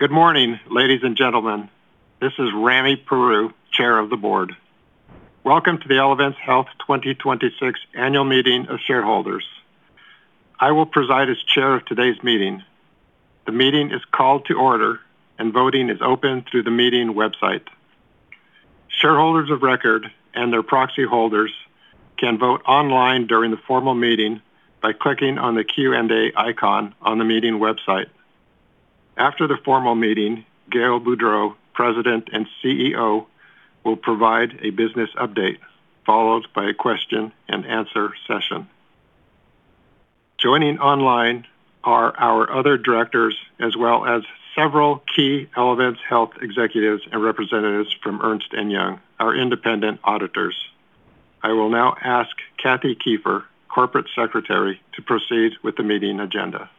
Good morning, ladies and gentlemen. This is Ramey Peru, Chair of the Board. Welcome to the Elevance Health 2026 Annual Meeting of Shareholders. I will preside as Chair of today's meeting. The meeting is called to order and voting is open through the meeting website. Shareholders of record and their proxy holders can vote online during the formal meeting by clicking on the Q&A icon on the meeting website. After the formal meeting, Gail Boudreaux, President and CEO, will provide a business update, followed by a question-and-answer session. Joining online are our other directors, as well as several key Elevance Health executives and representatives from Ernst & Young, our independent auditors. I will now ask Kathy Kiefer, Corporate Secretary, to proceed with the meeting agenda.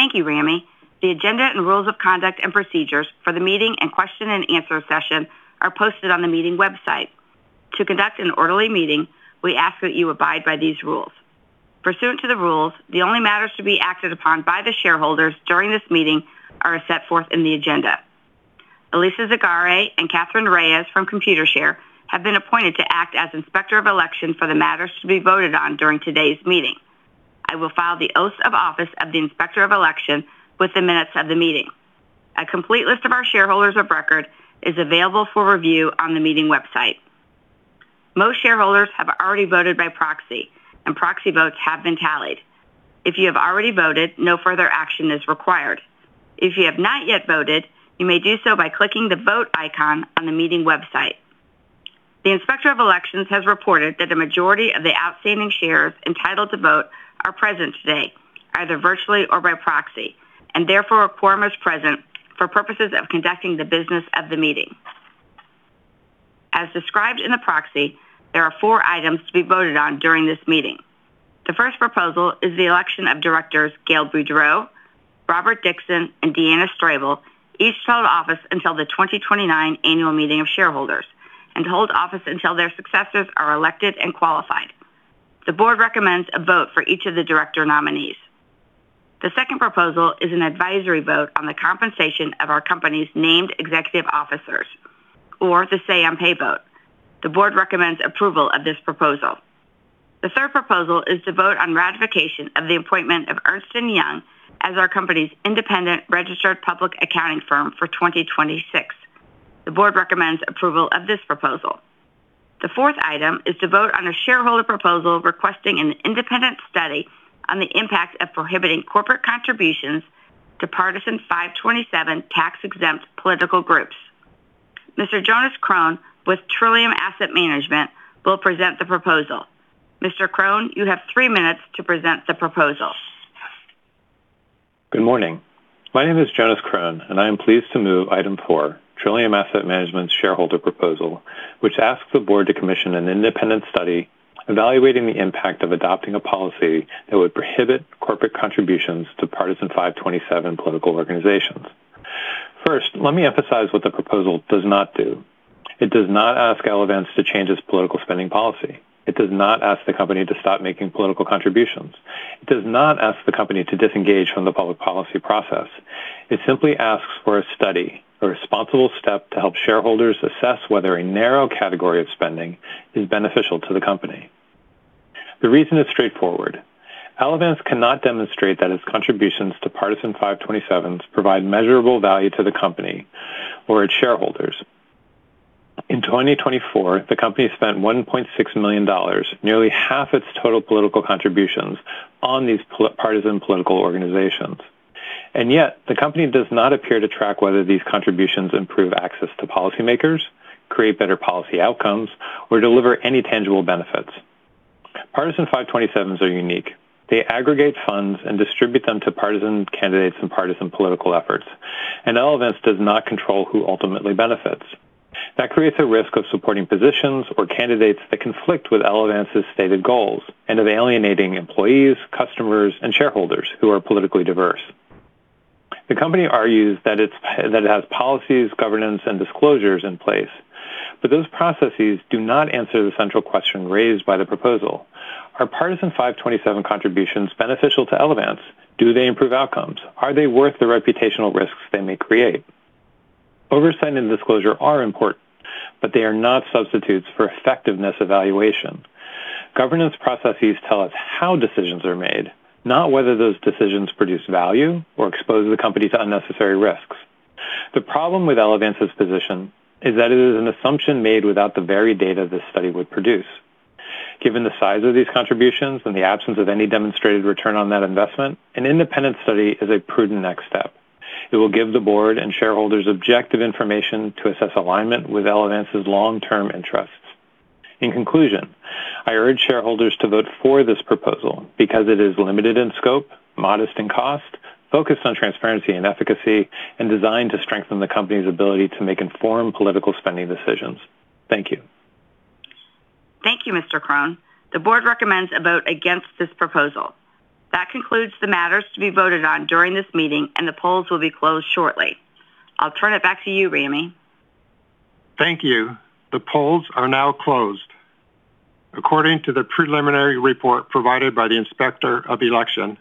Thank you, Ramey. The agenda and rules of conduct and procedures for the meeting and question-and-answer session are posted on the meeting website. To conduct an orderly meeting, we ask that you abide by these rules. Pursuant to the rules, the only matters to be acted upon by the shareholders during this meeting are set forth in the agenda. Alisa Zagare and Katherine Reyes from Computershare have been appointed to act as Inspector of Election for the matters to be voted on during today's meeting. I will file the oaths of office of the Inspector of Election with the minutes of the meeting. A complete list of our shareholders of record is available for review on the meeting website. Most shareholders have already voted by proxy, and proxy votes have been tallied. If you have already voted, no further action is required. If you have not yet voted, you may do so by clicking the vote icon on the meeting website. The inspector of elections has reported that the majority of the outstanding shares entitled to vote are present today, either virtually or by proxy, and therefore a quorum is present for purposes of conducting the business of the meeting. As described in the proxy, there are four items to be voted on during this meeting. The first proposal is the election of directors Gail Boudreaux, Robert Dixon, Jr., and Deanna Strable, each to hold office until the 2029 Annual Meeting of Shareholders and to hold office until their successors are elected and qualified. The Board recommends a vote for each of the Director nominees. The second proposal is an advisory vote on the compensation of our company's named executive officers or the say on pay vote. The Board recommends approval of this proposal. The third proposal is to vote on ratification of the appointment of Ernst & Young as our company's independent registered public accounting firm for 2026. The Board recommends approval of this proposal. The fourth item is to vote on a shareholder proposal requesting an independent study on the impact of prohibiting corporate contributions to partisan 527 tax-exempt political groups. Mr. Jonas Kron with Trillium Asset Management will present the proposal. Mr. Kron, you have 3 minutes to present the proposal. Good morning. My name is Jonas Kron, and I am pleased to move item 4, Trillium Asset Management's shareholder proposal, which asks the Board to commission an independent study evaluating the impact of adopting a policy that would prohibit corporate contributions to partisan 527 political organizations. First, let me emphasize what the proposal does not do. It does not ask Elevance to change its political spending policy. It does not ask the company to stop making political contributions. It does not ask the company to disengage from the public policy process. It simply asks for a study, a responsible step to help shareholders assess whether a narrow category of spending is beneficial to the company. The reason is straightforward. Elevance cannot demonstrate that its contributions to partisan 527s provide measurable value to the company or its shareholders. In 2024, the company spent $1.6 million, nearly half its total political contributions, on these partisan political organizations. Yet, the company does not appear to track whether these contributions improve access to policymakers, create better policy outcomes, or deliver any tangible benefits. Partisan 527s are unique. They aggregate funds and distribute them to partisan candidates and partisan political efforts, Elevance does not control who ultimately benefits. That creates a risk of supporting positions or candidates that conflict with Elevance's stated goals and of alienating employees, customers, and shareholders who are politically diverse. The company argues that it has policies, governance, and disclosures in place, those processes do not answer the central question raised by the proposal. Are partisan 527 contributions beneficial to Elevance? Do they improve outcomes? Are they worth the reputational risks they may create? Oversight and disclosure are important, but they are not substitutes for effectiveness evaluation. Governance processes tell us how decisions are made, not whether those decisions produce value or expose the company to unnecessary risks. The problem with Elevance's position is that it is an assumption made without the very data this study would produce. Given the size of these contributions and the absence of any demonstrated return on that investment, an independent study is a prudent next step. It will give the Board and shareholders objective information to assess alignment with Elevance's long-term interests. In conclusion, I urge shareholders to vote for this proposal because it is limited in scope, modest in cost, focused on transparency and efficacy, and designed to strengthen the company's ability to make informed political spending decisions. Thank you. Thank you, Mr. Kron. The Board recommends a vote against this proposal. That concludes the matters to be voted on during this meeting. The polls will be closed shortly. I'll turn it back to you, Ramey. Thank you. The polls are now closed. According to the preliminary report provided by the Inspector of Election,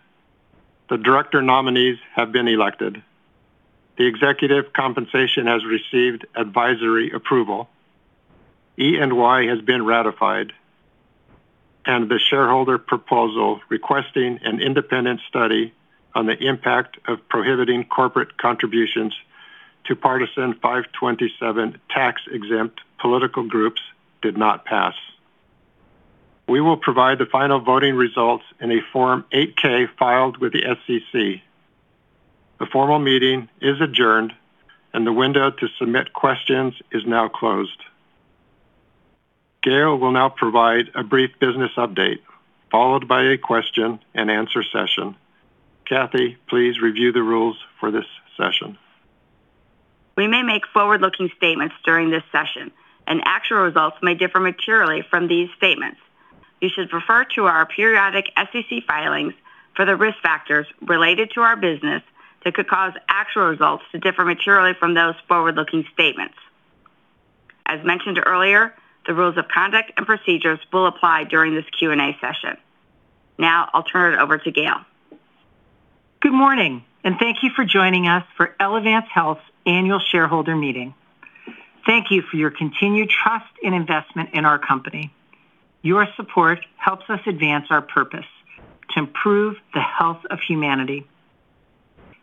the Director nominees have been elected. The executive compensation has received advisory approval. Ernst & Young has been ratified, and the shareholder proposal requesting an independent study on the impact of prohibiting corporate contributions to partisan 527 tax-exempt political groups did not pass. We will provide the final voting results in a Form 8-K filed with the SEC. The formal meeting is adjourned, and the window to submit questions is now closed. Gail will now provide a brief business update followed by a question-and-answer session. Kathy, please review the rules for this session. We may make forward-looking statements during this session, and actual results may differ materially from these statements. You should refer to our periodic SEC filings for the risk factors related to our business that could cause actual results to differ materially from those forward-looking statements. As mentioned earlier, the rules of conduct and procedures will apply during this Q&A session. Now, I'll turn it over to Gail. Good morning. Thank you for joining us for Elevance Health's Annual Shareholder Meeting. Thank you for your continued trust and investment in our company. Your support helps us advance our purpose to improve the health of humanity.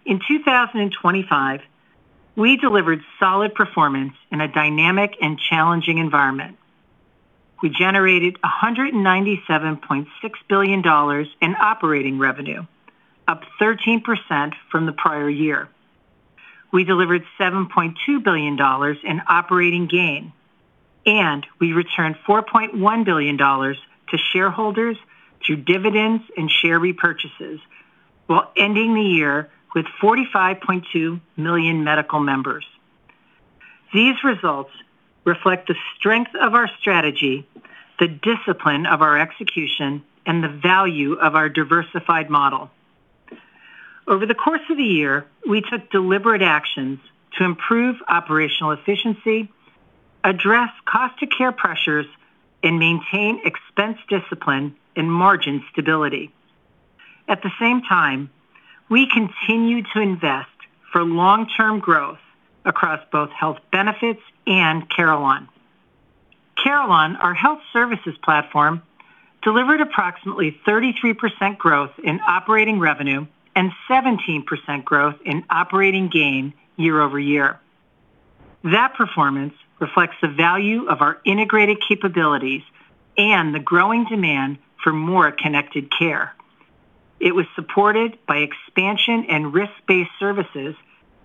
In 2025, we delivered solid performance in a dynamic and challenging environment. We generated $197.6 billion in operating revenue, up 13% from the prior year. We delivered $7.2 billion in operating gain. We returned $4.1 billion to shareholders through dividends and share repurchases while ending the year with 45.2 million medical members. These results reflect the strength of our strategy, the discipline of our execution, and the value of our diversified model. Over the course of the year, we took deliberate actions to improve operational efficiency, address cost to care pressures, and maintain expense discipline and margin stability. At the same time, we continued to invest for long-term growth across both health benefits and Carelon. Carelon, our health services platform, delivered approximately 33% growth in operating revenue and 17% growth in operating gain year-over-year. That performance reflects the value of our integrated capabilities and the growing demand for more connected care. It was supported by expansion and risk-based services,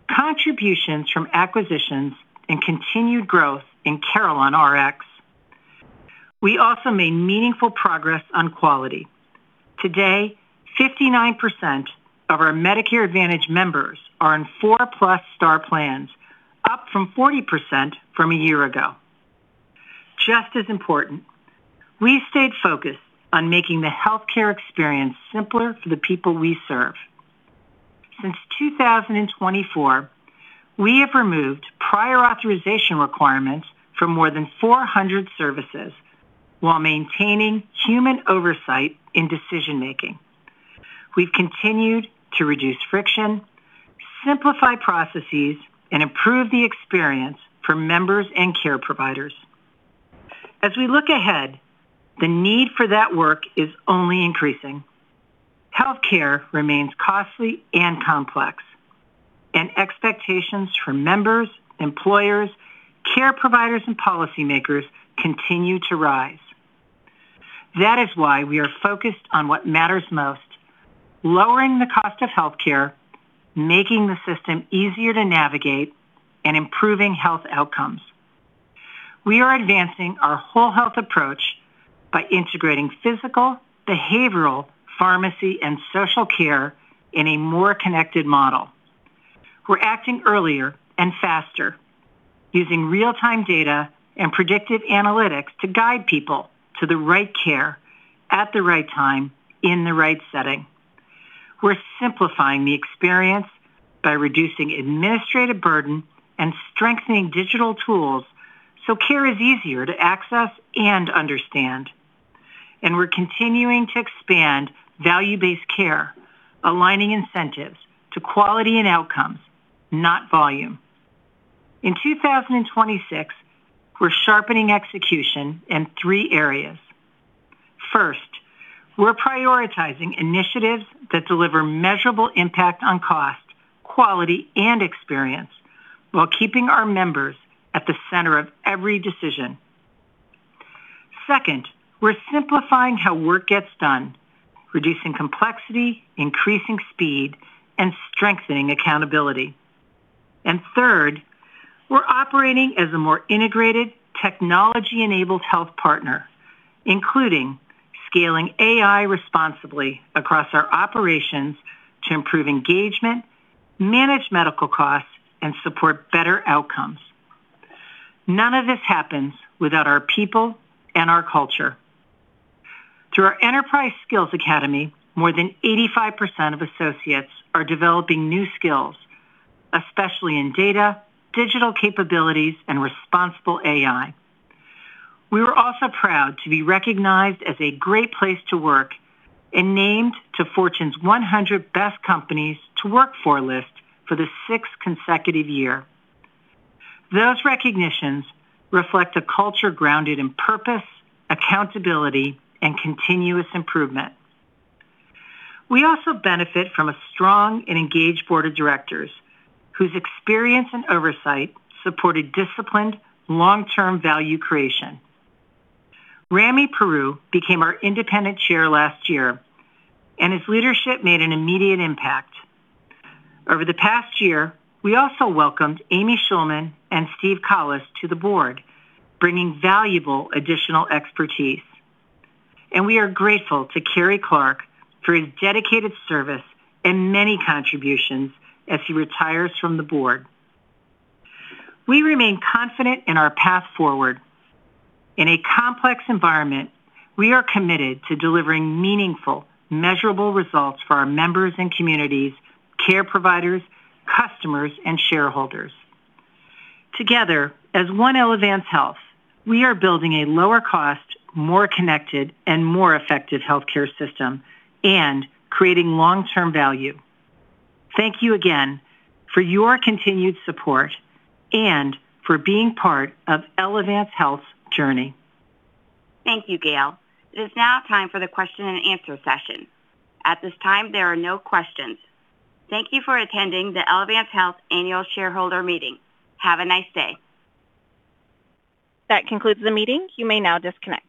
contributions from acquisitions, and continued growth in CarelonRx. We also made meaningful progress on quality. Today, 59% of our Medicare Advantage members are in 4-Star+ plans, up from 40% from a year ago. Just as important, we stayed focused on making the healthcare experience simpler for the people we serve. Since 2024, we have removed prior authorization requirements for more than 400 services while maintaining human oversight in decision-making. We've continued to reduce friction, simplify processes, and improve the experience for members and care providers. As we look ahead, the need for that work is only increasing. Healthcare remains costly and complex, and expectations from members, employers, care providers, and policymakers continue to rise. That is why we are focused on what matters most: lowering the cost of healthcare, making the system easier to navigate, and improving health outcomes. We are advancing our whole health approach by integrating physical, behavioral, pharmacy, and social care in a more connected model. We're acting earlier and faster using real-time data and predictive analytics to guide people to the right care at the right time in the right setting. We're simplifying the experience by reducing administrative burden and strengthening digital tools so care is easier to access and understand. We're continuing to expand value-based care, aligning incentives to quality and outcomes, not volume. In 2026, we're sharpening execution in three areas. First, we're prioritizing initiatives that deliver measurable impact on cost, quality, and experience while keeping our members at the center of every decision. Second, we're simplifying how work gets done, reducing complexity, increasing speed, and strengthening accountability. Third, we're operating as a more integrated technology-enabled health partner, including scaling AI responsibly across our operations to improve engagement, manage medical costs, and support better outcomes. None of this happens without our people and our culture. Through our Enterprise Skills Academy, more than 85% of associates are developing new skills, especially in data, digital capabilities, and responsible AI. We were also proud to be recognized as a great place to work and named to Fortune's 100 Best Companies to Work For list for the sixth consecutive year. Those recognitions reflect a culture grounded in purpose, accountability, and continuous improvement. We also benefit from a strong and engaged Board of Directors whose experience and oversight supported disciplined long-term value creation. Ramey Peru became our Independent Chair last year. His leadership made an immediate impact. Over the past year, we also welcomed Amy Schulman and Steve Collis to the Board, bringing valuable additional expertise. We are grateful to Kerry Clark for his dedicated service and many contributions as he retires from the Board. We remain confident in our path forward. In a complex environment, we are committed to delivering meaningful, measurable results for our members and communities, care providers, customers, and shareholders. Together, as one Elevance Health, we are building a lower cost, more connected, and more effective healthcare system and creating long-term value. Thank you again for your continued support and for being part of Elevance Health's journey. Thank you, Gail. It is now time for the question-and-answer session. At this time, there are no questions. Thank you for attending the Elevance Health Annual Shareholder Meeting. Have a nice day. That concludes the meeting. You may now disconnect.